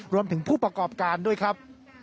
รวมถึงผู้ประกอบการด้วยครับ